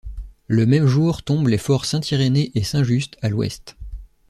Le même jour tombent les forts Saint-Irénée et Saint-Just, à l'ouest.